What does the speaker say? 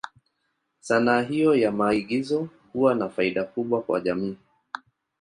Sanaa hiyo ya maigizo huwa na faida kubwa kwa jamii.